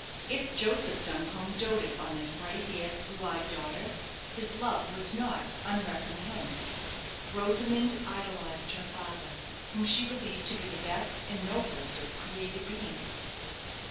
If Joseph Duncombe doted on this bright haired, blue eyed daughter, his love was not unrecompensed. Rosamond idolized her father, whom she believed to be the best and noblest of created beings.